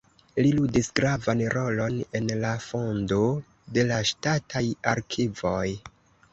Li ludis gravan rolon en la fondo de la ŝtataj arkivoj.